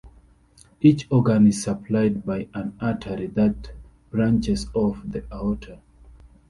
Each organ is supplied by an artery that branches off the aorta.